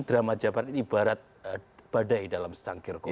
drama jabar ini ibarat badai dalam secangkir kopi